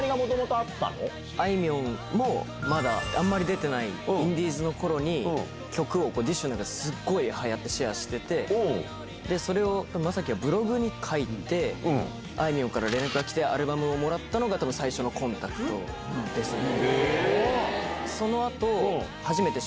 あいみょんもまだ、あんまり出てない、インディーズのころに、インディーズのころに、曲をＤＩＳＨ／／の中ではやってシェアしてて、それをまさきがブログに書いて、あいみょんから連絡が来て、アルバムをもらったのが、たぶん最初のコンタクトですね。